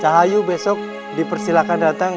harapan kethek german